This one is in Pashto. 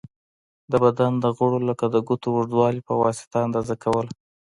د بدن د غړیو لکه د ګوتو اوږوالی په واسطه اندازه کوله.